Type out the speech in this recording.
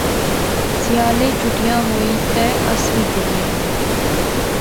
سیالے چھٹیاں ہویاں تے اس وی جلنے آں